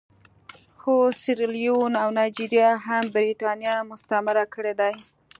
خو سیریلیون او نایجیریا هم برېټانیا مستعمره کړي دي.